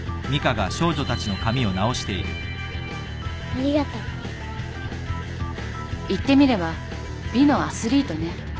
ありがとう言ってみれば美のアスリートね。